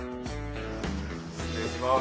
失礼します